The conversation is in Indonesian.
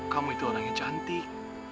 kamu itu orang yang cantik